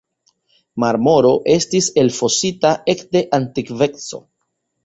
Marmoro estis elfosita ekde antikveco.